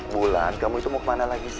bulan kamu itu mau ke mana lagi sih